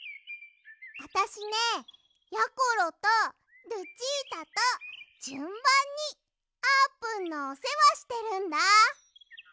あたしねやころとルチータとじゅんばんにあーぷんのおせわしてるんだ。